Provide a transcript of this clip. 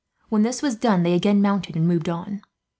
When this was done, they again mounted and moved on.